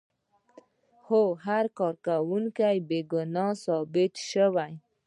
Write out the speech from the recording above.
هو که کارکوونکی بې ګناه ثابت شي.